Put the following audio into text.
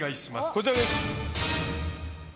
こちらです。